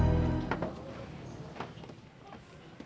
ya maksudnya dia sudah kembali ke mobil